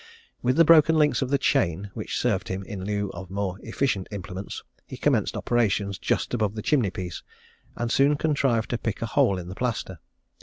With the broken links of the chain, which served him in lieu of more efficient implements, he commenced operations just above the chimney piece, and soon contrived to pick a hole in the plaster.